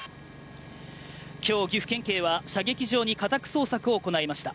今日、岐阜県警は射撃場に家宅捜索を行いました。